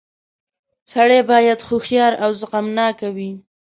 • سړی باید هوښیار او زغمناک وي.